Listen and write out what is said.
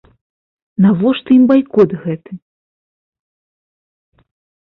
Навошта ім байкот гэты?